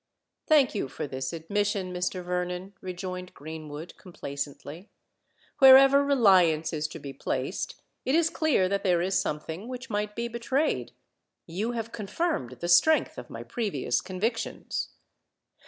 "Thank you for this admission, Mr. Vernon," rejoined Greenwood, complacently: "wherever reliance is to be placed, it is clear that there is something which might be betrayed. You have confirmed the strength of my previous convictions."